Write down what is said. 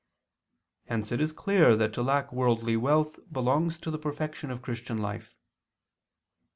Hence it is clear that to lack worldly wealth belongs to the perfection of Christian life.